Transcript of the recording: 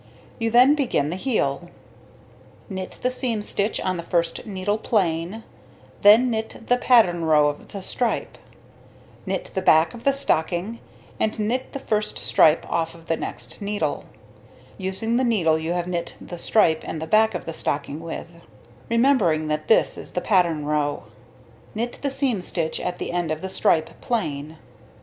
You then begin the heel: knit the seam stitch on the 1st needle plain, then knit the pattern row of the stripe; knit the back of the stocking and knit the 1st stripe off of the next needle, (using the needle you have knit the stripe and the back of the stocking with,) remembering that this is the pattern row; knit the seam stitch at the end of the stripe plain.